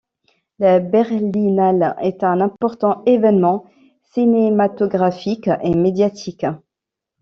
La Berlinale est un important évènement cinématographique et médiatique.